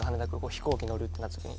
飛行機乗るってなった時に。